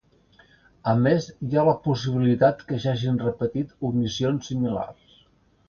A més, hi ha la possibilitat que s'hagin repetit omissions similars.